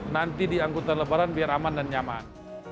nanti diangkutan lebaran biar aman dan nyaman